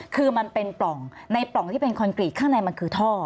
คือมันเป็นปล่องในปล่องที่เป็นคอนกรีตข้างในมันคือท่อ